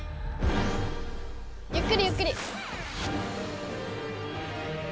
ゆっくりゆっくり。